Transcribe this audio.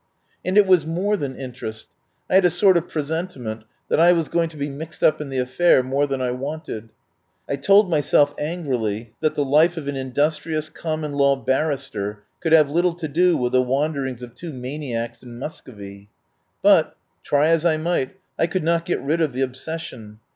And it was more than interest. I had a sort of presentiment that I was going to be mixed up in the affair more than I wanted. I told myself angrily that the life of an industrious common law barrister could have little to do with the wanderings of two maniacs in Mus covy. But, try as I might, I could not get rid of the obsession.